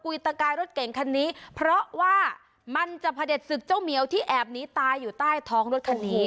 ตะกายรถเก่งคันนี้เพราะว่ามันจะเผ็ดศึกเจ้าเหมียวที่แอบหนีตายอยู่ใต้ท้องรถคันนี้